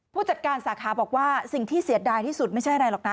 ผู้จัดการสาขาบอกว่าสิ่งที่เสียดายที่สุดไม่ใช่อะไรหรอกนะ